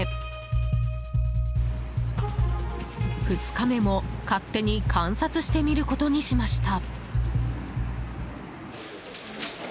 ２日目も、勝手に観察してみることにしました。